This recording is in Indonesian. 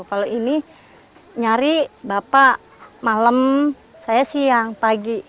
kalau ini nyari bapak malam saya siang pagi